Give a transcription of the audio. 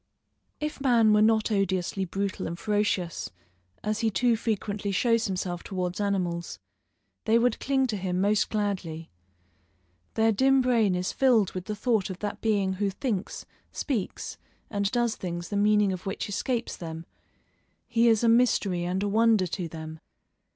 If man were not odiously brutal and ferocious, as he too frequently shows himself towards animals, they would cling to him most gladly. Their dim brain is filled with the thought of that being who thinks, speaks, and does things the meaning of which escapes them; he is a mystery and a wonder to them.